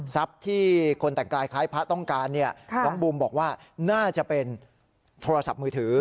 ที่คนแต่งกายคล้ายพระต้องการน้องบูมบอกว่าน่าจะเป็นโทรศัพท์มือถือ